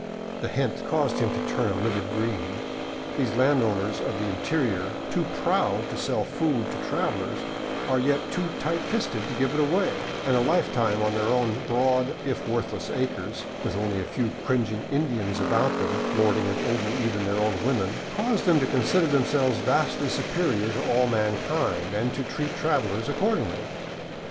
The hint caused him to turn a livid green. These landowners of the in terior, tm " proud " to sell food to travelers, are yet too tight fisted to give it away; and a lifetime on their own broad, if worthless, acres, with only a few cringing Indians about them, lording it over even their own women, causes them to consider themselves vastly superior to all mankind, and to treat travelers accordingly.